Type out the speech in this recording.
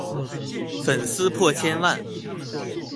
粉絲破千萬